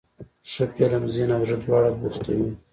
ښه فلم ذهن او زړه دواړه بوختوي.